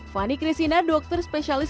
fani krisina dokter spesialis